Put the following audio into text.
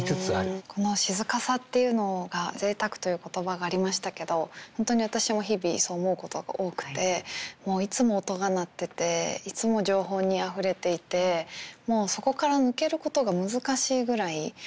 この静かさっていうのが贅沢という言葉がありましたけど本当に私も日々そう思うことが多くてもういつも音が鳴ってていつも情報にあふれていてもうそこから抜けることが難しいぐらい。